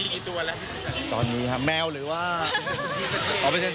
ครับผมมียกี่ตัวแล้วพี่สิวิร์ธ